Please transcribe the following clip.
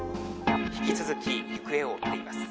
「引き続き行方を追っています」。